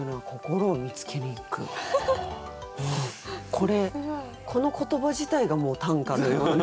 これこの言葉自体がもう短歌のような。